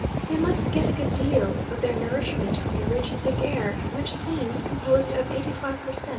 They must get a good deal of their nourishment from the rich, thick air, which seems composed of 85 per cent.